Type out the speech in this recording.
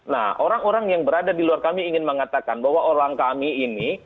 nah orang orang yang berada di luar kami ingin mengatakan bahwa orang kami ini